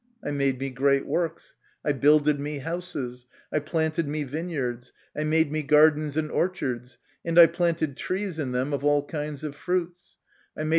I made me great works ; I builded me houses ; I planted me vineyards ; I made me gardens and orchards, and I planted trees in them of all kinds of fruits; I made MY CONFESSION.